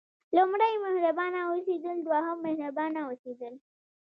لومړی مهربانه اوسېدل دوهم مهربانه اوسېدل.